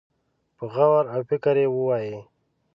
په غور او فکر يې ووايي.